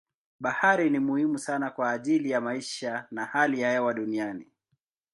Bahari ni muhimu sana kwa ajili ya maisha na hali ya hewa duniani.